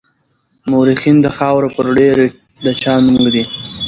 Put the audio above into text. مورخين د خاورو پر ډېري د چا نوم ږدي.